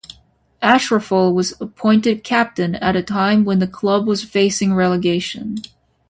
Ashraful was appointed captain at a time when the club was facing relegation.